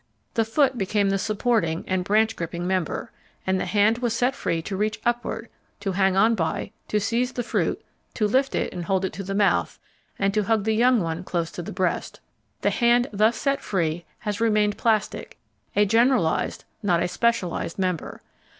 The foot became the supporting and branch gripping member, and the hand was set free to reach upward, to hang on by, to seize the fruit, to lift it and hold it to the mouth, and to hug the young one close to the breast. The hand thus set free has remained plastic a generalised, not a specialised member.